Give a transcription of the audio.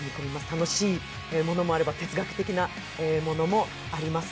楽しいものもあれば哲学的なものもあります。